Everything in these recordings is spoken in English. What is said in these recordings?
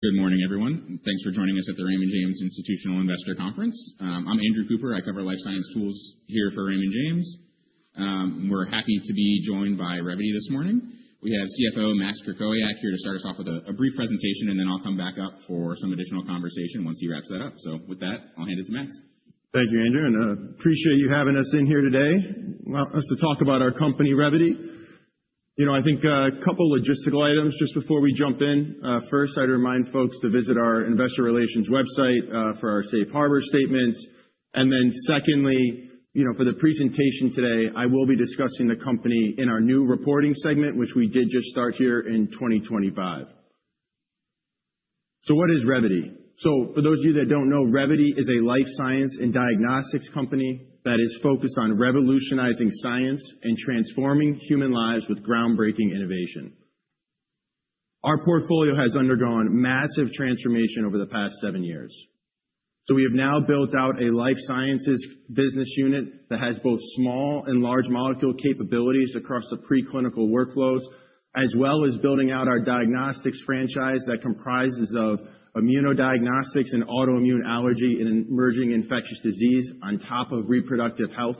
Good morning, everyone. Thanks for joining us at the Raymond James Institutional Investor Conference. I'm Andrew Cooper. I cover life science tools here for Raymond James. We're happy to be joined by Revvity this morning. We have CFO Max Krakowiak here to start us off with a brief presentation, and then I'll come back up for some additional conversation once he wraps that up. So with that, I'll hand it to Max. Thank you, Andrew, and I appreciate you having us in here today, allowing us to talk about our company, Revvity. I think a couple of logistical items just before we jump in. First, I'd remind folks to visit our investor relations website for our safe harbor statements, and then secondly, for the presentation today, I will be discussing the company in our new reporting segment, which we did just start here in 2025. So what is Revvity? So for those of you that don't know, Revvity is a life science and diagnostics company that is focused on revolutionizing science and transforming human lives with groundbreaking innovation. Our portfolio has undergone massive transformation over the past seven years. So we have now built out a Life Sciences business unit that has both small and large molecule capabilities across the preclinical workflows, as well as building out our Diagnostics franchise that comprises of immunodiagnostics and autoimmune, allergy and emerging infectious disease on top of reproductive health.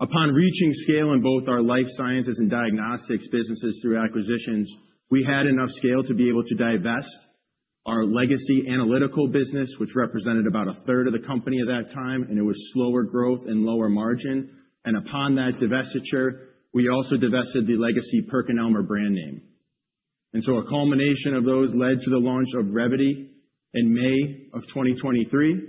Upon reaching scale in both Life Sciences and Diagnostics businesses through acquisitions, we had enough scale to be able to divest our legacy analytical business, which represented about a third of the company at that time, and it was slower growth and lower margin. And upon that divestiture, we also divested the legacy PerkinElmer brand name. And so a culmination of those led to the launch of Revvity in May of 2023,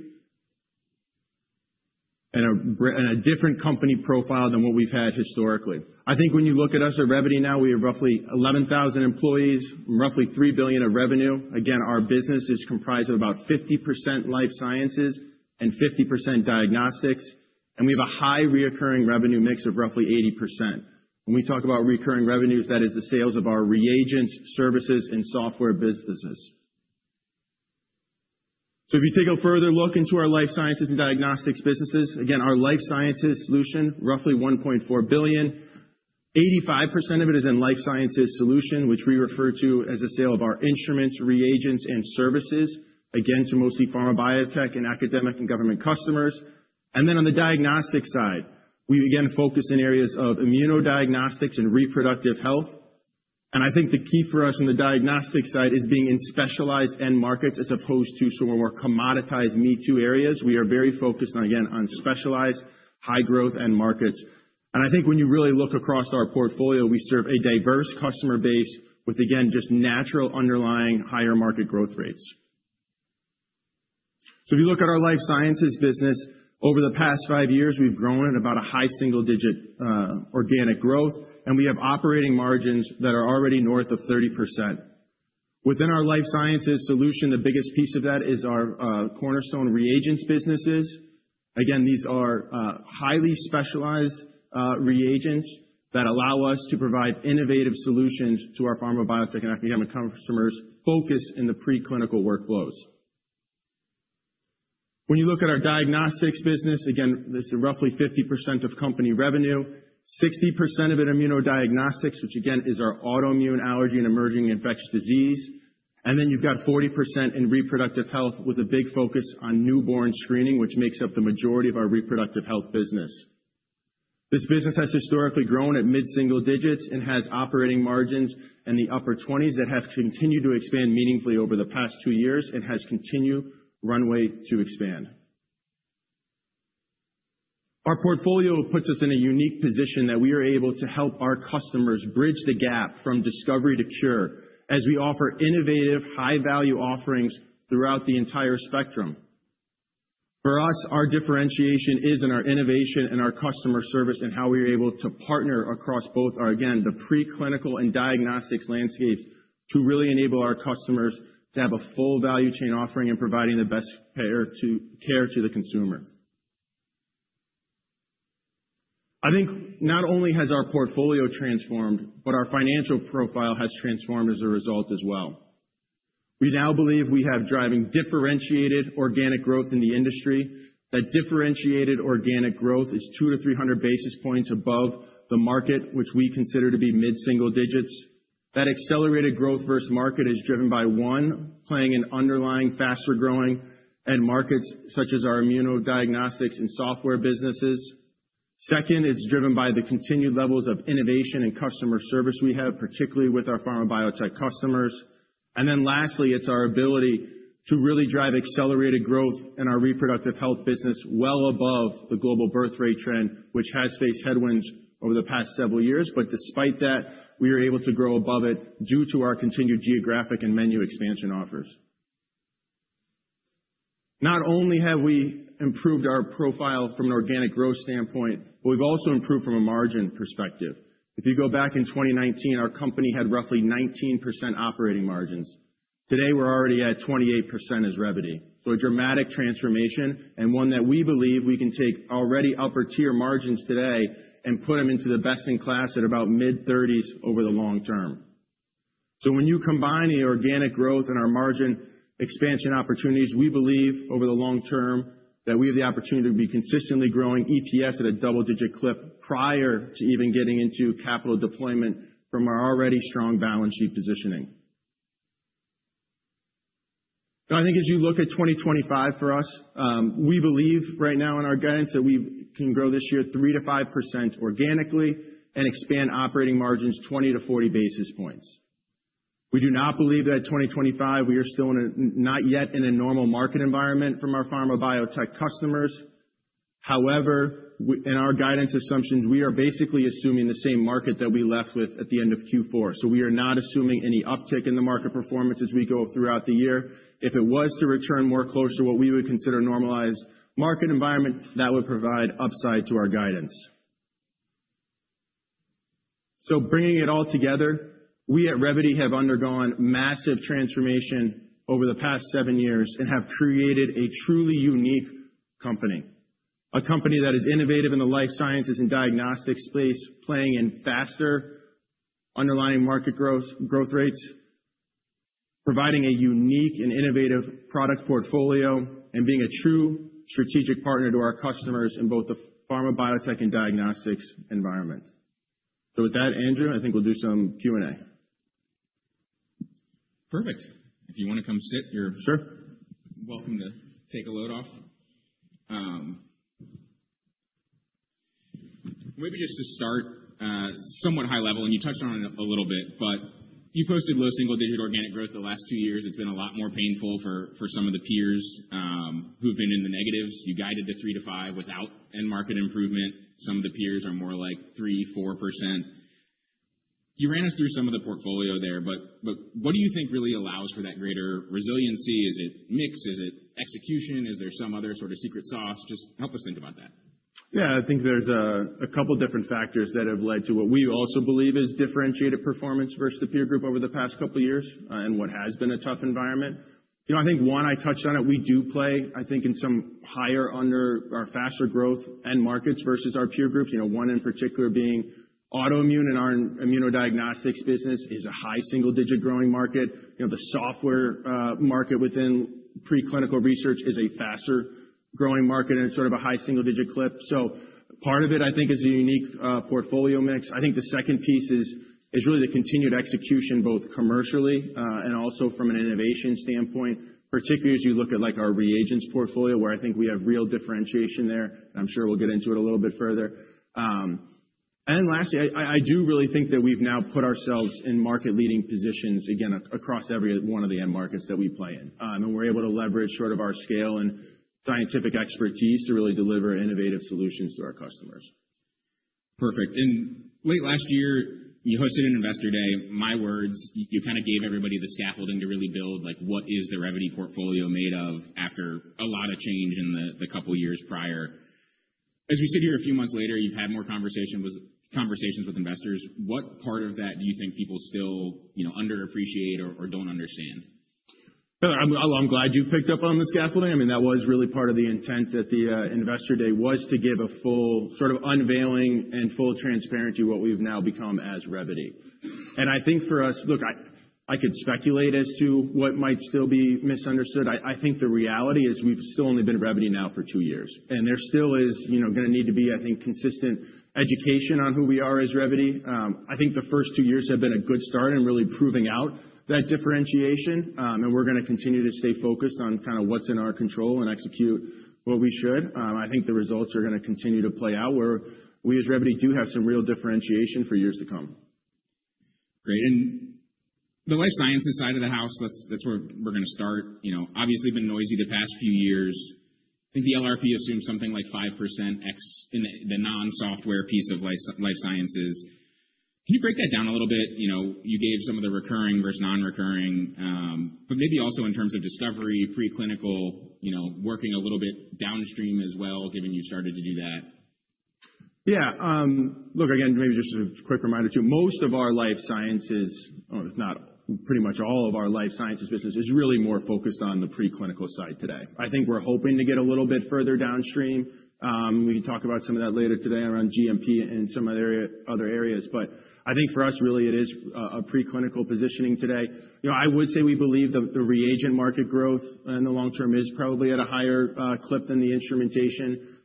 and a different company profile than what we've had historically. I think when you look at us at Revvity now, we have roughly 11,000 employees, roughly $3 billion of revenue. Again, our business is comprised of about 50% Life Sciences and 50% Diagnostics, and we have a high recurring revenue mix of roughly 80%. When we talk about recurring revenues, that is the sales of our reagents, services, and software businesses, so if you take a further look into Life Sciences and Diagnostics businesses, again, our Life Sciences solution, roughly $1.4 billion. 85% of it is in Life Sciences solution, which we refer to as the sale of our instruments, reagents, and services, again, to mostly pharma biotech and academic and government customers, and then on the diagnostic side, we again focus in areas of immunodiagnostics and reproductive health. And I think the key for us on the diagnostic side is being in specialized end markets as opposed to some of our commoditized me-too areas. We are very focused on, again, on specialized high growth end markets. And I think when you really look across our portfolio, we serve a diverse customer base with, again, just natural underlying higher market growth rates. So if you look at our Life Sciences business, over the past five years, we've grown at about a high single-digit organic growth, and we have operating margins that are already north of 30%. Within our Life Sciences solution, the biggest piece of that is our cornerstone reagents businesses. Again, these are highly specialized reagents that allow us to provide innovative solutions to our pharma biotech and academic customers focused in the preclinical workflows. When you look at our Diagnostics business, again, this is roughly 50% of company revenue, 60% of it immunodiagnostics, which again is our autoimmune allergy and emerging infectious disease, and then you've got 40% in reproductive health with a big focus on newborn screening, which makes up the majority of our reproductive health business. This business has historically grown at mid-single digits and has operating margins in the upper 20s that have continued to expand meaningfully over the past two years and has continued runway to expand. Our portfolio puts us in a unique position that we are able to help our customers bridge the gap from discovery to cure as we offer innovative, high-value offerings throughout the entire spectrum. For us, our differentiation is in our innovation and our customer service and how we are able to partner across both our, again, the preclinical and Diagnostics landscapes to really enable our customers to have a full value chain offering and providing the best care to the consumer. I think not only has our portfolio transformed, but our financial profile has transformed as a result as well. We now believe we have driving differentiated organic growth in the industry. That differentiated organic growth is 200-300 basis points above the market, which we consider to be mid-single digits. That accelerated growth versus market is driven by, one, playing an underlying faster growing and markets such as our immunodiagnostics and software businesses. Second, it's driven by the continued levels of innovation and customer service we have, particularly with our pharma biotech customers. Then lastly, it's our ability to really drive accelerated growth in our reproductive health business well above the global birth rate trend, which has faced headwinds over the past several years. But despite that, we are able to grow above it due to our continued geographic and menu expansion offers. Not only have we improved our profile from an organic growth standpoint, but we've also improved from a margin perspective. If you go back in 2019, our company had roughly 19% operating margins. Today, we're already at 28% as Revvity. So a dramatic transformation and one that we believe we can take already upper-tier margins today and put them into the best in class at about mid-30s% over the long term. So when you combine the organic growth and our margin expansion opportunities, we believe over the long term that we have the opportunity to be consistently growing EPS at a double-digit clip prior to even getting into capital deployment from our already strong balance sheet positioning. Now, I think as you look at 2025 for us, we believe right now in our guidance that we can grow this year 3%-5% organically and expand operating margins 20-40 basis points. We do not believe that 2025, we are still not yet in a normal market environment from our pharma biotech customers. However, in our guidance assumptions, we are basically assuming the same market that we left with at the end of Q4. So we are not assuming any uptick in the market performance as we go throughout the year. If it was to return more close to what we would consider a normalized market environment, that would provide upside to our guidance, so bringing it all together, we at Revvity have undergone massive transformation over the past seven years and have created a truly unique company. A company that is innovative in Life Sciences and Diagnostics space, playing in faster underlying market growth rates, providing a unique and innovative product portfolio, and being a true strategic partner to our customers in both the pharma biotech and Diagnostics environment, so with that, Andrew, I think we'll do some Q&A. Perfect. If you want to come sit, you're welcome to take a load off. Maybe just to start somewhat high level, and you touched on it a little bit, but you posted low single-digit organic growth the last two years. It's been a lot more painful for some of the peers who've been in the negatives. You guided the three to five without end market improvement. Some of the peers are more like 3%, 4%. You ran us through some of the portfolio there, but what do you think really allows for that greater resiliency? Is it mix? Is it execution? Is there some other sort of secret sauce? Just help us think about that. Yeah, I think there's a couple of different factors that have led to what we also believe is differentiated performance versus the peer group over the past couple of years and what has been a tough environment. I think one, I touched on it, we do play, I think, in some higher-end or faster growth end markets versus our peer group. One in particular being autoimmune in our immunodiagnostics business is a high single-digit growing market. The software market within preclinical research is a faster growing market and sort of a high single-digit clip. So part of it, I think, is a unique portfolio mix. I think the second piece is really the continued execution both commercially and also from an innovation standpoint, particularly as you look at our reagents portfolio, where I think we have real differentiation there. And I'm sure we'll get into it a little bit further. And then lastly, I do really think that we've now put ourselves in market-leading positions, again, across every one of the end markets that we play in. And we're able to leverage sort of our scale and scientific expertise to really deliver innovative solutions to our customers. Perfect. In late last year, you hosted Investor Day. in my words, you kind of gave everybody the scaffolding to really build what is the Revvity portfolio made of after a lot of change in the couple of years prior. As we sit here a few months later, you've had more conversations with investors. What part of that do you think people still underappreciate or don't understand? I'm glad you picked up on the scaffolding. I mean, that was really part of the intent at Investor Day was to give a full sort of unveiling and full transparency of what we've now become as Revvity. And I think for us, look, I could speculate as to what might still be misunderstood. I think the reality is we've still only been Revvity now for two years. And there still is going to need to be, I think, consistent education on who we are as Revvity. I think the first two years have been a good start in really proving out that differentiation. And we're going to continue to stay focused on kind of what's in our control and execute what we should. I think the results are going to continue to play out where we as Revvity do have some real differentiation for years to come. Great. And the Life Sciences side of the house, that's where we're going to start. Obviously, been noisy the past few years. I think the LRP assumed something like 5% ex in the non-software piece of Life Sciences. Can you break that down a little bit? You gave some of the recurring versus non-recurring, but maybe also in terms of discovery, preclinical, working a little bit downstream as well, given you started to do that. Yeah. Look, again, maybe just a quick reminder too, most of our Life Sciences, or if not pretty much all of our Life Sciences business is really more focused on the preclinical side today. I think we're hoping to get a little bit further downstream. We can talk about some of that later today around GMP and some other areas. But I think for us, really, it is a preclinical positioning today. I would say we believe the reagent market growth in the long term is probably at a higher clip than the instrumentation.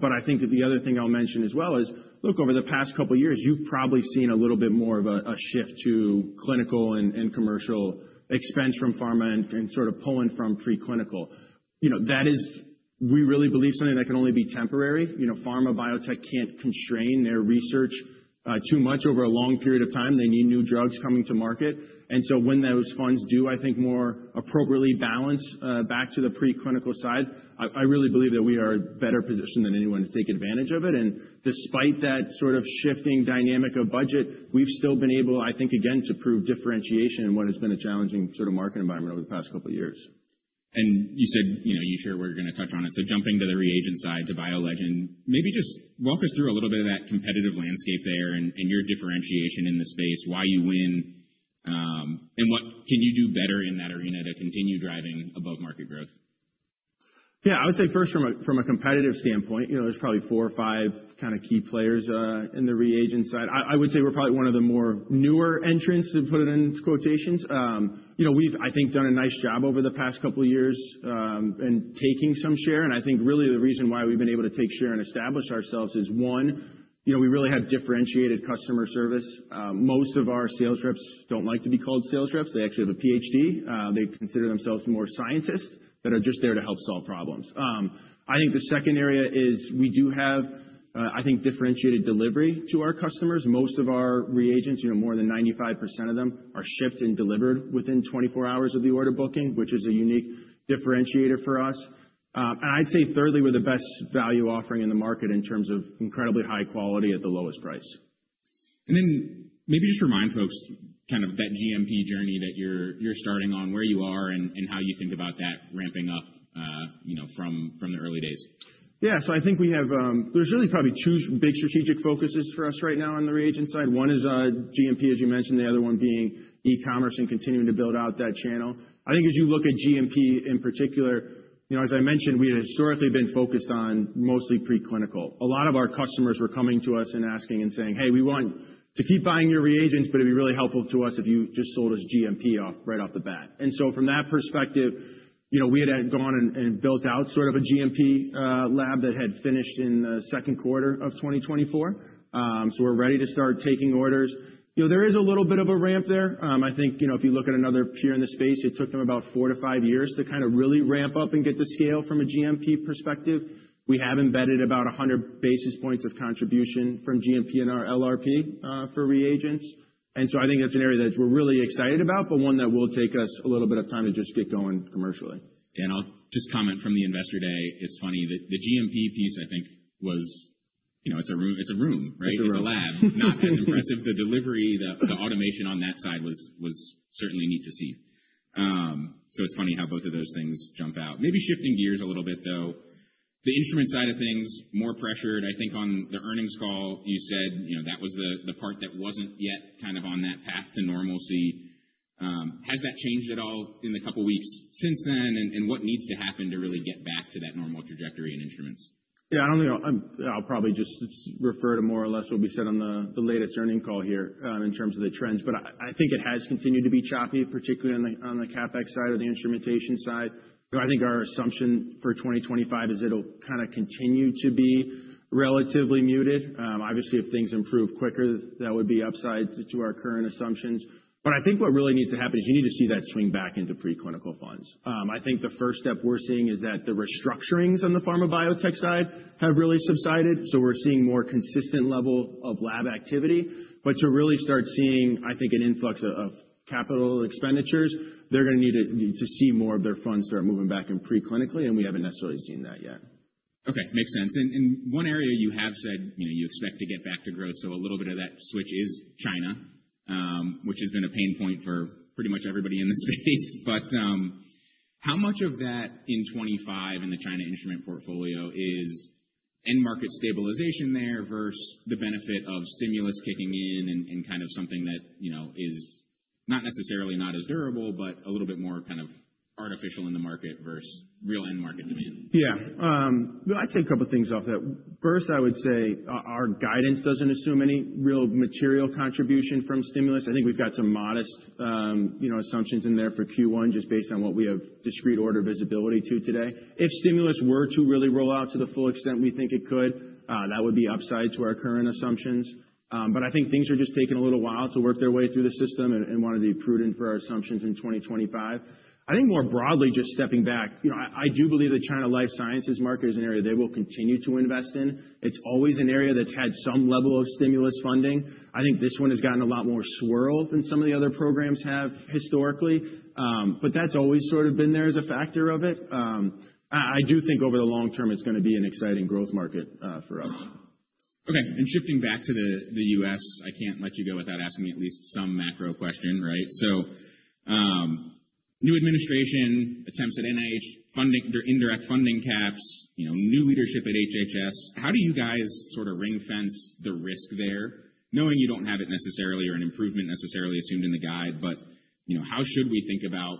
But I think the other thing I'll mention as well is, look, over the past couple of years, you've probably seen a little bit more of a shift to clinical and commercial expense from pharma and sort of pulling from preclinical. That is, we really believe something that can only be temporary. Pharma biotech can't constrain their research too much over a long period of time. They need new drugs coming to market. And so when those funds do, I think, more appropriately balance back to the preclinical side, I really believe that we are better positioned than anyone to take advantage of it. And despite that sort of shifting dynamic of budget, we've still been able, I think, again, to prove differentiation in what has been a challenging sort of market environment over the past couple of years. You said you share where you're going to touch on it. Jumping to the reagent side, to BioLegend, maybe just walk us through a little bit of that competitive landscape there and your differentiation in the space, why you win, and what can you do better in that arena to continue driving above market growth? Yeah, I would say first from a competitive standpoint, there's probably four or five kind of key players in the reagent side. I would say we're probably one of the more newer entrants, to put it in quotations. We've, I think, done a nice job over the past couple of years in taking some share. And I think really the reason why we've been able to take share and establish ourselves is one, we really have differentiated customer service. Most of our sales reps don't like to be called sales reps. They actually have a PhD. They consider themselves more scientists that are just there to help solve problems. I think the second area is we do have, I think, differentiated delivery to our customers. Most of our reagents, more than 95% of them, are shipped and delivered within 24 hours of the order booking, which is a unique differentiator for us, and I'd say thirdly, we're the best value offering in the market in terms of incredibly high quality at the lowest price. And then maybe just remind folks kind of that GMP journey that you're starting on, where you are and how you think about that ramping up from the early days. Yeah, so I think there's really probably two big strategic focuses for us right now on the reagent side. One is GMP, as you mentioned, the other one being e-commerce and continuing to build out that channel. I think as you look at GMP in particular, as I mentioned, we had historically been focused on mostly preclinical. A lot of our customers were coming to us and asking and saying, "Hey, we want to keep buying your reagents, but it'd be really helpful to us if you just sold us GMP right off the bat." And so from that perspective, we had gone and built out sort of a GMP lab that had finished in the second quarter of 2024, so we're ready to start taking orders. There is a little bit of a ramp there. I think if you look at another peer in the space, it took them about four to five years to kind of really ramp up and get to scale from a GMP perspective. We have embedded about 100 basis points of contribution from GMP in our LRP for reagents, and so I think that's an area that we're really excited about, but one that will take us a little bit of time to just get going commercially. I'll just comment from Investor Day. it's funny. The GMP piece, I think, was, it's a room, right? It's a lab. Not as impressive. The delivery, the automation on that side was certainly neat to see. So it's funny how both of those things jump out. Maybe shifting gears a little bit, though. The instrument side of things, more pressured. I think on the earnings call, you said that was the part that wasn't yet kind of on that path to normalcy. Has that changed at all in the couple of weeks since then? And what needs to happen to really get back to that normal trajectory in instruments? Yeah, I'll probably just refer to more or less what we said on the latest earnings call here in terms of the trends. But I think it has continued to be choppy, particularly on the CapEx side or the instrumentation side. I think our assumption for 2025 is it'll kind of continue to be relatively muted. Obviously, if things improve quicker, that would be upside to our current assumptions. But I think what really needs to happen is you need to see that swing back into preclinical funds. I think the first step we're seeing is that the restructurings on the pharma biotech side have really subsided. So we're seeing more consistent level of lab activity. But to really start seeing, I think, an influx of capital expenditures, they're going to need to see more of their funds start moving back in preclinically. And we haven't necessarily seen that yet. Okay, makes sense. And one area you have said you expect to get back to growth. So a little bit of that switch is China, which has been a pain point for pretty much everybody in the space. But how much of that in 2025 in the China instrument portfolio is end market stabilization there versus the benefit of stimulus kicking in and kind of something that is not necessarily not as durable, but a little bit more kind of artificial in the market versus real end market demand? Yeah. I'd say a couple of things off that. First, I would say our guidance doesn't assume any real material contribution from stimulus. I think we've got some modest assumptions in there for Q1 just based on what we have discrete order visibility to today. If stimulus were to really roll out to the full extent we think it could, that would be upside to our current assumptions. But I think things are just taking a little while to work their way through the system and want to be prudent for our assumptions in 2025. I think more broadly, just stepping back, I do believe the China Life Sciences market is an area they will continue to invest in. It's always an area that's had some level of stimulus funding. I think this one has gotten a lot more swirled than some of the other programs have historically. But that's always sort of been there as a factor of it. I do think over the long term, it's going to be an exciting growth market for us. Okay. And shifting back to the U.S., I can't let you go without asking you at least some macro question, right? So new administration attempts at NIH indirect funding caps, new leadership at HHS. How do you guys sort of ring-fence the risk there knowing you don't have it necessarily or an improvement necessarily assumed in the guide? But how should we think about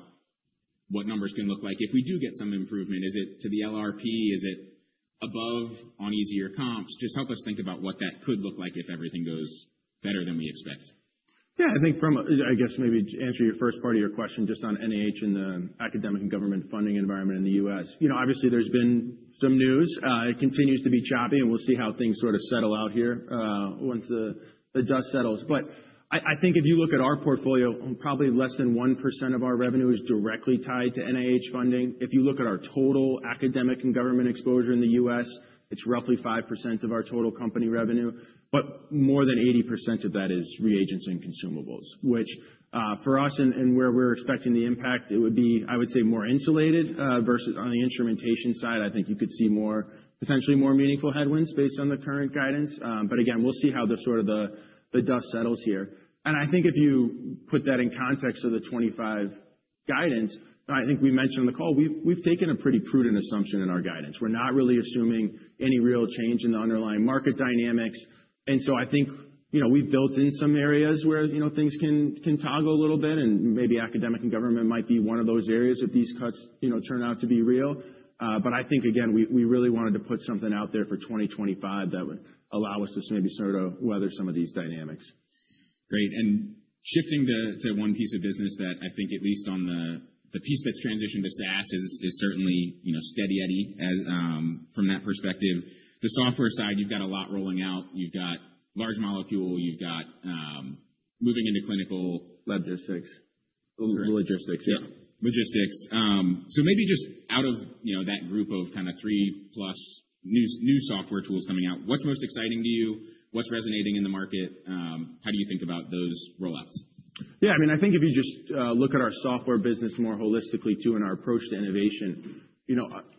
what numbers can look like if we do get some improvement? Is it to the LRP? Is it above on easier comps? Just help us think about what that could look like if everything goes better than we expect. Yeah, I think from, I guess, maybe answer your first part of your question just on NIH and the academic and government funding environment in the U.S. Obviously, there's been some news. It continues to be choppy. We'll see how things sort of settle out here once the dust settles. But I think if you look at our portfolio, probably less than 1% of our revenue is directly tied to NIH funding. If you look at our total academic and government exposure in the U.S., it's roughly 5% of our total company revenue. But more than 80% of that is reagents and consumables, which for us and where we're expecting the impact, it would be, I would say, more insulated versus on the instrumentation side. I think you could see potentially more meaningful headwinds based on the current guidance. Again, we'll see how the dust settles here. And I think if you put that in context of the 2025 guidance, I think we mentioned on the call, we've taken a pretty prudent assumption in our guidance. We're not really assuming any real change in the underlying market dynamics. And so I think we've built in some areas where things can toggle a little bit. And maybe academic and government might be one of those areas if these cuts turn out to be real. But I think, again, we really wanted to put something out there for 2025 that would allow us to maybe sort of weather some of these dynamics. Great. And shifting to one piece of business that I think at least on the piece that's transitioned to SaaS is certainly Steady Eddie from that perspective. The software side, you've got a lot rolling out. You've got large molecule. You've got moving into clinical. Logistics. Logistics. Yeah. Logistics. So maybe just out of that group of kind of three plus new software tools coming out, what's most exciting to you? What's resonating in the market? How do you think about those rollouts? Yeah. I mean, I think if you just look at our software business more holistically too in our approach to innovation,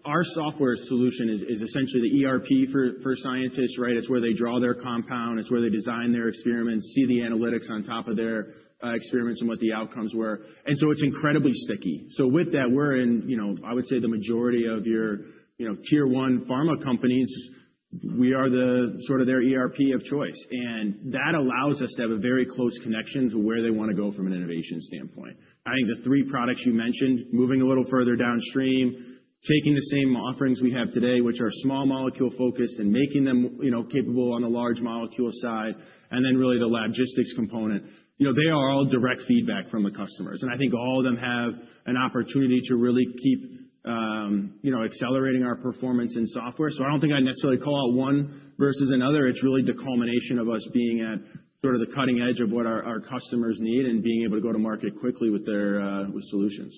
our software solution is essentially the ERP for scientists, right? It's where they draw their compound. It's where they design their experiments, see the analytics on top of their experiments and what the outcomes were. And so it's incredibly sticky. So with that, we're in, I would say, the majority of your tier one pharma companies. We are sort of their ERP of choice. And that allows us to have a very close connection to where they want to go from an innovation standpoint. I think the three products you mentioned, moving a little further downstream, taking the same offerings we have today, which are small molecule focused and making them capable on the large molecule side, and then really the logistics component, they are all direct feedback from the customers. And I think all of them have an opportunity to really keep accelerating our performance in software. So I don't think I'd necessarily call out one versus another. It's really the culmination of us being at sort of the cutting edge of what our customers need and being able to go to market quickly with their solutions.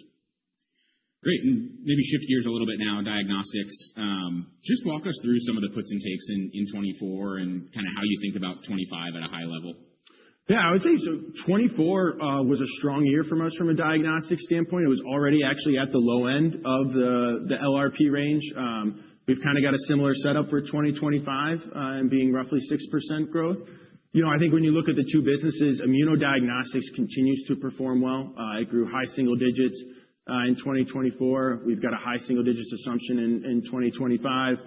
Great, and maybe shift gears a little bit now, Diagnostics. Just walk us through some of the puts and takes in 2024 and kind of how you think about 2025 at a high level. Yeah, I would say so. 2024 was a strong year for us from a diagnostic standpoint. It was already actually at the low end of the LRP range. We've kind of got a similar setup for 2025 and being roughly 6% growth. I think when you look at the two businesses, immunodiagnostics continues to perform well. It grew high single digits in 2024. We've got a high single digits assumption in 2025.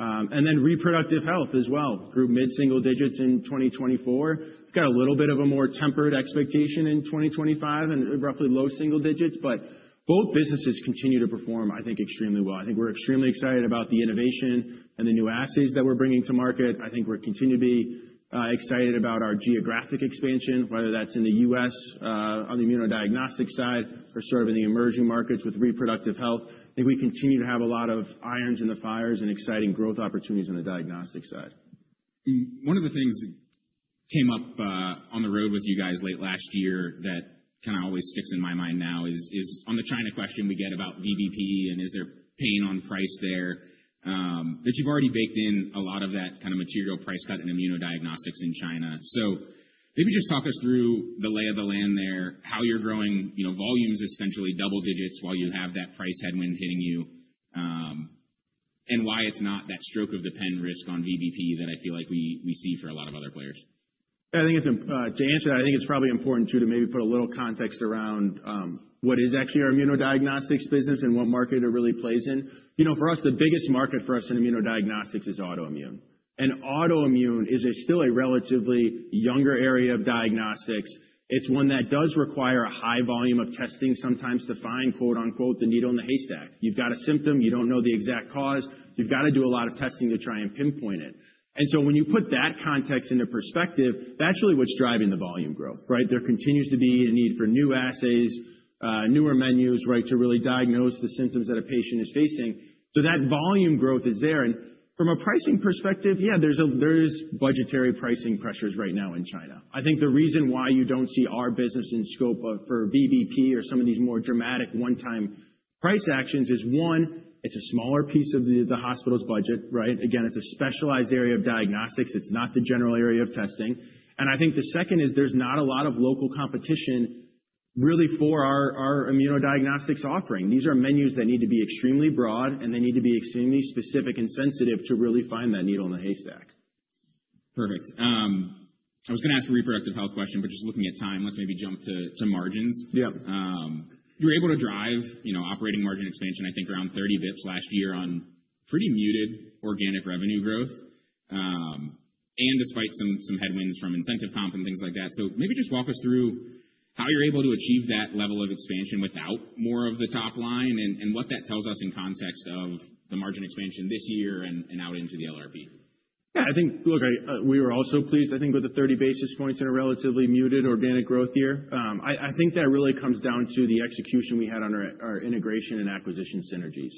And then reproductive health as well. Grew mid-single digits in 2024. We've got a little bit of a more tempered expectation in 2025 and roughly low single digits. But both businesses continue to perform, I think, extremely well. I think we're extremely excited about the innovation and the new assays that we're bringing to market. I think we're continuing to be excited about our geographic expansion, whether that's in the U.S. on the immunodiagnostic side or sort of in the emerging markets with reproductive health. I think we continue to have a lot of irons in the fires and exciting growth opportunities on the diagnostic side. One of the things that came up on the road with you guys late last year that kind of always sticks in my mind now is on the China question we get about VBP and is there pain on price there, that you've already baked in a lot of that kind of material price cut in immunodiagnostics in China. So maybe just talk us through the lay of the land there, how you're growing volumes essentially double digits while you have that price headwind hitting you, and why it's not that stroke of the pen risk on VBP that I feel like we see for a lot of other players. Yeah, I think to answer that, I think it's probably important too to maybe put a little context around what is actually our immunodiagnostics business and what market it really plays in. For us, the biggest market for us in immunodiagnostics is autoimmune. And autoimmune is still a relatively younger area of Diagnostics. It's one that does require a high volume of testing sometimes to find, quote unquote, the needle in the haystack. You've got a symptom. You don't know the exact cause. You've got to do a lot of testing to try and pinpoint it. And so when you put that context into perspective, that's really what's driving the volume growth, right? There continues to be a need for new assays, newer menus, right, to really diagnose the symptoms that a patient is facing. So that volume growth is there. From a pricing perspective, yeah, there's budgetary pricing pressures right now in China. I think the reason why you don't see our business in scope for VBP or some of these more dramatic one-time price actions is one, it's a smaller piece of the hospital's budget, right? Again, it's a specialized area of Diagnostics. It's not the general area of testing. And I think the second is there's not a lot of local competition really for our immunodiagnostics offering. These are menus that need to be extremely broad, and they need to be extremely specific and sensitive to really find that needle in the haystack. Perfect. I was going to ask a reproductive health question, but just looking at time, let's maybe jump to margins. Yeah. You were able to drive operating margin expansion, I think, around 30 bps last year on pretty muted organic revenue growth, and despite some headwinds from incentive comp and things like that. So maybe just walk us through how you're able to achieve that level of expansion without more of the top line and what that tells us in context of the margin expansion this year and out into the LRP. Yeah, I think, look, we were also pleased, I think, with the 30 basis points in a relatively muted organic growth year. I think that really comes down to the execution we had on our integration and acquisition synergies.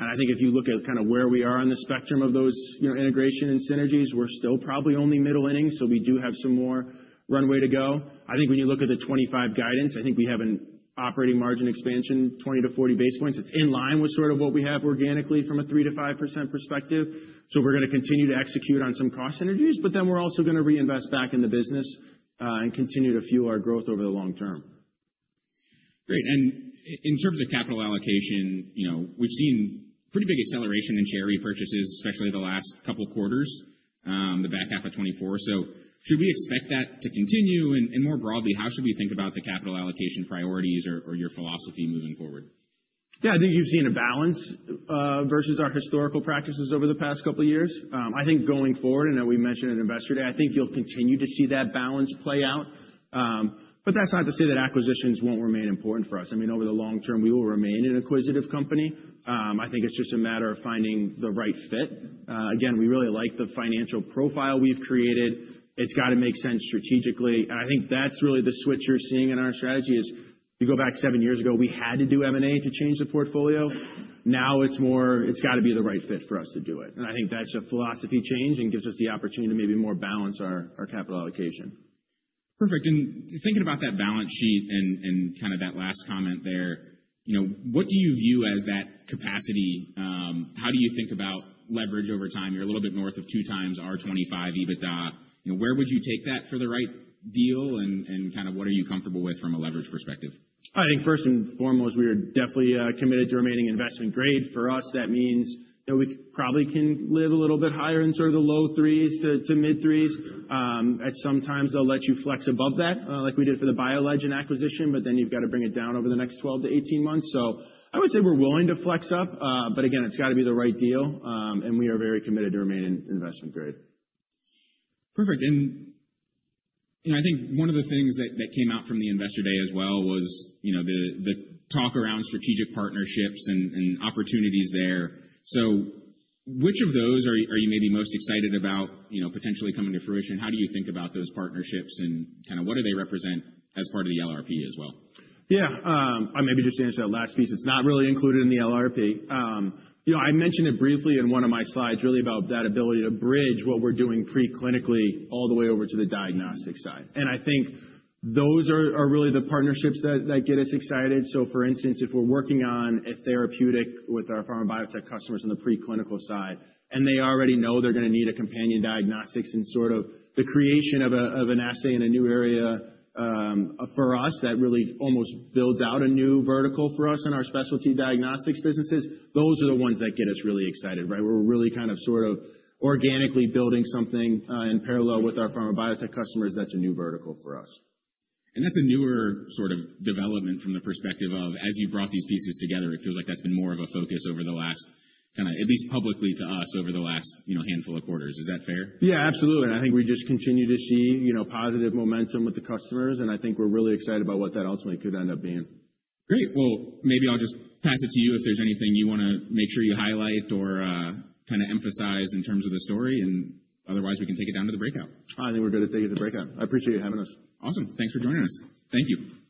I think if you look at kind of where we are on the spectrum of those integration and synergies, we're still probably only middle innings. So we do have some more runway to go. I think when you look at the 2025 guidance, I think we have an operating margin expansion, 20-40 basis points. It's in line with sort of what we have organically from a 3%-5% perspective. So we're going to continue to execute on some cost synergies. But then we're also going to reinvest back in the business and continue to fuel our growth over the long term. Great. And in terms of capital allocation, we've seen pretty big acceleration in share repurchases, especially the last couple of quarters, the back half of 2024. So should we expect that to continue? And more broadly, how should we think about the capital allocation priorities or your philosophy moving forward? Yeah, I think you've seen a balance versus our historical practices over the past couple of years. I think going forward, I know we mentioned it Investor Day, i think you'll continue to see that balance play out. But that's not to say that acquisitions won't remain important for us. I mean, over the long term, we will remain an acquisitive company. I think it's just a matter of finding the right fit. Again, we really like the financial profile we've created. It's got to make sense strategically. And I think that's really the switch you're seeing in our strategy, as you go back seven years ago, we had to do M&A to change the portfolio. Now it's more, it's got to be the right fit for us to do it. I think that's a philosophy change and gives us the opportunity to maybe more balance our capital allocation. Perfect. And thinking about that balance sheet and kind of that last comment there, what do you view as that capacity? How do you think about leverage over time? You're a little bit north of 2x or 2.5x EBITDA. Where would you take that for the right deal? And kind of what are you comfortable with from a leverage perspective? I think first and foremost, we are definitely committed to remaining investment grade. For us, that means we probably can live a little bit higher in sort of the low threes to mid-threes. At some times, they'll let you flex above that like we did for the BioLegend acquisition, but then you've got to bring it down over the next 12-18 months. So I would say we're willing to flex up. But again, it's got to be the right deal. And we are very committed to remaining investment grade. Perfect. And I think one of the things that came out from Investor Day as well was the talk around strategic partnerships and opportunities there. So which of those are you maybe most excited about potentially coming to fruition? How do you think about those partnerships and kind of what do they represent as part of the LRP as well? Yeah, I maybe just answer that last piece. It's not really included in the LRP. I mentioned it briefly in one of my slides, really, about that ability to bridge what we're doing preclinically all the way over to the diagnostic side, and I think those are really the partnerships that get us excited, so for instance, if we're working on a therapeutic with our pharma biotech customers on the preclinical side, and they already know they're going to need a companion diagnostics and sort of the creation of an assay in a new area for us that really almost builds out a new vertical for us in our specialty Diagnostics businesses, those are the ones that get us really excited, right? We're really kind of sort of organically building something in parallel with our pharma biotech customers that's a new vertical for us. That's a newer sort of development from the perspective of as you brought these pieces together. It feels like that's been more of a focus over the last kind of at least publicly to us over the last handful of quarters. Is that fair? Yeah, absolutely. And I think we just continue to see positive momentum with the customers. And I think we're really excited about what that ultimately could end up being. Great. Well, maybe I'll just pass it to you if there's anything you want to make sure you highlight or kind of emphasize in terms of the story. And otherwise, we can take it down to the breakout. I think we're good to take it to the breakout. I appreciate you having us. Awesome. Thanks for joining us. Thank you.